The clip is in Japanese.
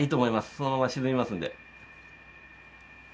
そのまま沈みますんで。